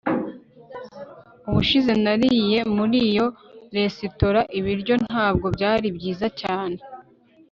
ubushize nariye muri iyo resitora ibiryo ntabwo byari byiza cyane